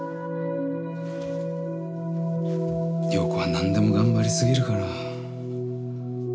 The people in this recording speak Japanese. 陽子は何でも頑張り過ぎるから。